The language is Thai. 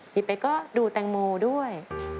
พี่เป๊กก็ดูแตงโมด้วย